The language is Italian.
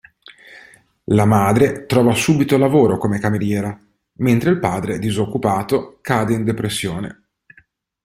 La madre trova subito lavoro come cameriera mentre il padre disoccupato cade in depressione.